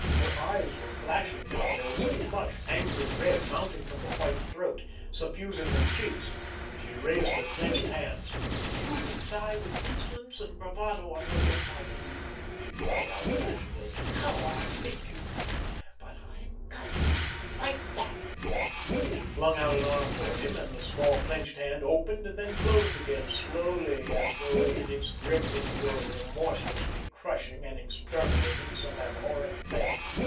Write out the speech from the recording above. Her eyes were flashing now; there was a flush, angry red, mounting from the white throat, suffusing her cheeks. She raised her clenched hands. "You will die with insolence and bravado on your lips, I believe!" she cried out passionately. "How I hate you! But I've got you—like that"—she flung out an arm toward him, and the small clenched hand opened and then closed again, slowly, as though in its grip it were remorselessly crushing and exterminating some abhorrent thing.